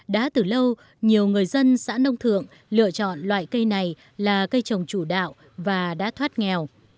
đã từ lâu nhiều người dân xã nông thượng lựa chọn loại cây này là cây trồng chủ đạo và đã thoát nghèo